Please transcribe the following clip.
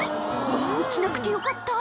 落ちなくてよかった」